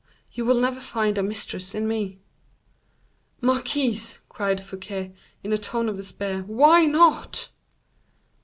you will never find a mistress in me." "Marquise!" cried Fouquet, in a tone of despair; "why not?"